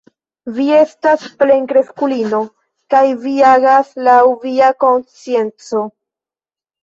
Vi estas plenkreskulino kaj vi agas laŭ via konscienco.